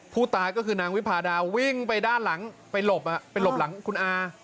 ผู้ตายก็คือนางวิพาดาวิ่งไปด้านหลังไปหลบไปหลบหลังคุณอา